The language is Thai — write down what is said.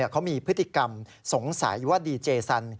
เขามีพฤติกรรมสงสัยว่าดีเจสัน